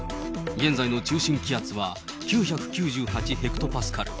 現在の中心気圧は９９８ヘクトパスカル。